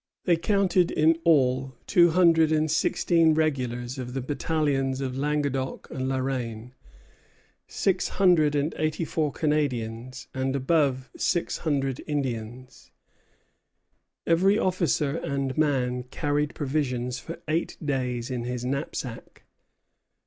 They counted in all two hundred and sixteen regulars of the battalions of Languedoc and La Reine, six hundred and eighty four Canadians, and above six hundred Indians. Every officer and man carried provisions for eight days in his knapsack.